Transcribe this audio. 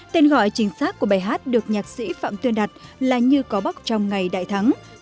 tên gọi chính xác của bài hát được nhạc sĩ phạm tuyên đặt là như có bác trong ngày đại thắng